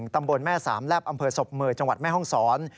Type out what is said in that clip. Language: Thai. ตำบลแม่สามแลบอำเภอศพเมย์จังหวัดแม่ห้องศร